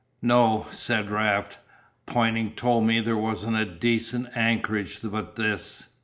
"No," said Raft, "Ponting told me there wasn't a decent anchorage but this.